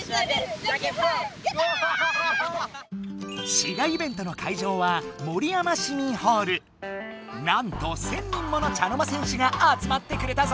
滋賀イベントの会場はなんと１，０００人もの茶の間戦士が集まってくれたぞ！